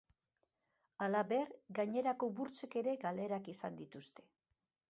Halaber, gainerako burtsek ere galerak izan dituzte.